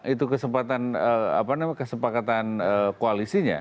itu kesepakatan koalisinya